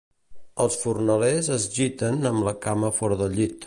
Els fornalers es giten amb la cama fora del llit.